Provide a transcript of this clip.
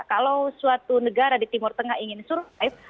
kalau suatu negara di timur tengah ingin survive